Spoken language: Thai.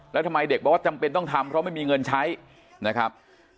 แล้วทำไมเด็กบอกว่าจำเป็นต้องทำเพราะไม่มีเงินใช้นะครับ